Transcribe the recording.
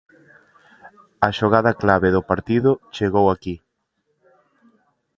A xogada clave do partido chegou aquí.